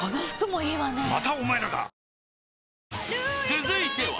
［続いては］